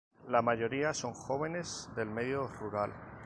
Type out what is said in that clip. La mayoría son jóvenes del medio rural.